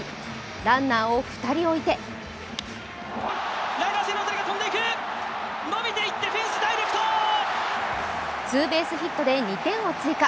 ランナーを２人置いてツーベースヒットで２点を追加。